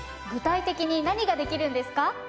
具体的に何ができるんですか？